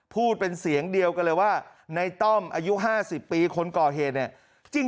พูดเป็นเสียงเดียวกันเลยว่าในต้อมอายุ๕๐ปีคนก่อเหตุเนี่ย